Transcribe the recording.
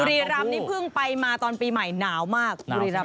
บุรีรัมนี้เพิ่งไปมาตอนปีใหม่หนาวมาก